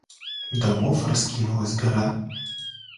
Домов раскинулась гора.